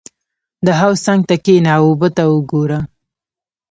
• د حوض څنګ ته کښېنه او اوبه ته وګوره.